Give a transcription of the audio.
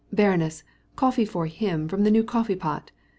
Baroness, some coffee for him out of the new coffee pot.